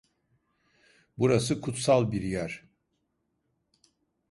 Burası kutsal bir yer.